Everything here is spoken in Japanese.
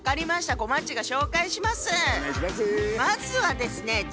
まずはですね